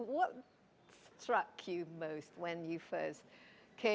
berdiri di indonesia ya